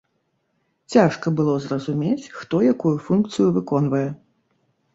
Цяжка было зразумець, хто якую функцыю выконвае.